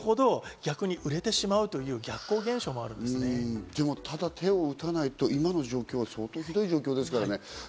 規制すると、逆に売れてしまうというでも今、手を打たないと相当ひどい状況ですからね。